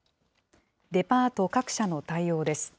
デパート各社の対応です。